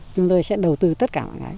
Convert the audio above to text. chúng tôi sẽ đầu tư tất cả mọi cái